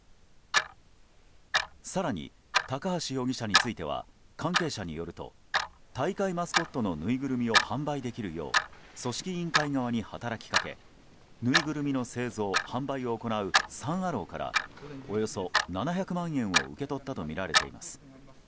更に、高橋容疑者については関係者によると大会マスコットのぬいぐるみを販売できるよう組織委員会側に働きかけぬいぐるみの製造・販売を行うサン・アローからおよそ７００万円を受け取ったとみられています。